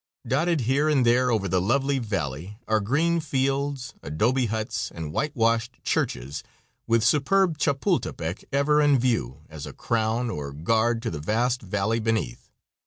Dotted here and there over the lovely valley are green fields, adobe huts, and whitewashed churches, with superb Chapultepec ever in view, as a crown or guard to the vast valley beneath.